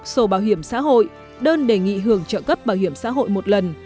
sổ bảo hiểm xã hội đơn đề nghị hưởng trợ cấp bảo hiểm xã hội một lần